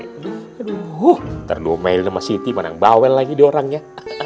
ntar dua mail sama siti mana bawel lagi diorangnya